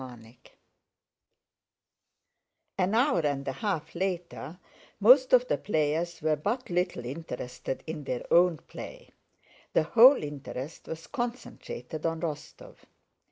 CHAPTER XIV An hour and a half later most of the players were but little interested in their own play. The whole interest was concentrated on Rostóv.